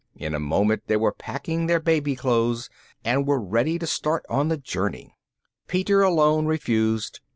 In a moment they were packing their baby clothes, and were ready to start on their journey. Peter alone refused.